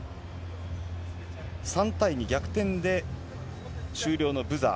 ３対２、逆転で終了のブザー。